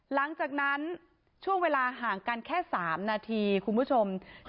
หลังจากนั้นช่วงเวลาห่างกันแค่๓นาทีคุณผู้ชม